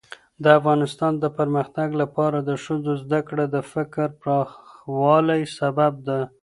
د افغانستان د پرمختګ لپاره د ښځو زدهکړه د فکر پراخوالي سبب ده.